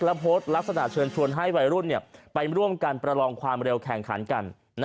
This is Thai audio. และโพสต์ลักษณะเชิญชวนให้วัยรุ่นไปร่วมกันประลองความเร็วแข่งขันกัน